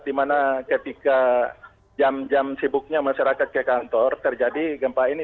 di mana ketika jam jam sibuknya masyarakat ke kantor terjadi gempa ini